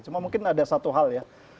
cuma mungkin ada satu hal ya